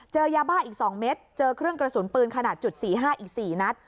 เจอยาบ้าอีกสองเม็ดเจอเครื่องกระสุนปืนขนาดจุดสี่ห้าอีกสี่นัด